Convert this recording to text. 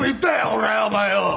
俺お前よ」。